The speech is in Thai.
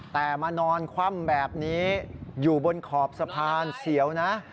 แต่มานอนคว่ำแบบนี้อยู่บนขอบสะพานเสียวนะ